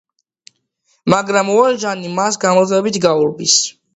მაგრამ ვალჟანი მას გამუდმებით გაურბის.